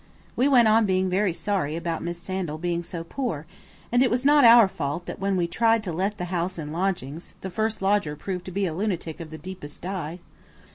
We went on being very sorry about Miss Sandal being so poor, and it was not our fault that when we tried to let the house in lodgings, the first lodger proved to be a lunatic of the deepest dye.